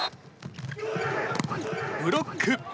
ブロック！